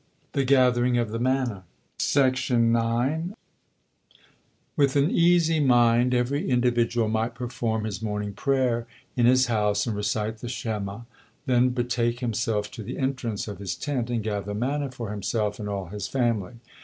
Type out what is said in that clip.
THE GATHERING OF THE MANNA With an easy mind every individual might perform his morning prayer in his house and recite the Shema', then betake himself to the entrance of his tent, and gather manna for himself and all his family.